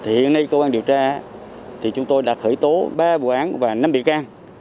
hiện nay công an điều tra thì chúng tôi đã khởi tố ba vụ án và năm bị can